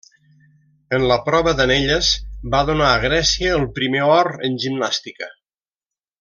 En la prova d'anelles va donar a Grècia el primer or en gimnàstica.